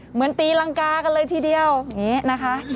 เหมือนตีรังกากันเลยทีเดียวอย่างนี้นะคะ